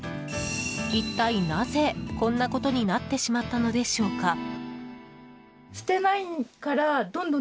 一体なぜ、こんなことになってしまったのでしょうか？